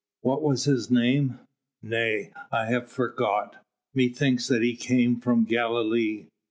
"What was his name?" "Nay! I have forgot. Methinks that he came from Galilee.